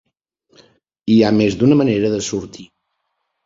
Hi ha més d'una manera de sortir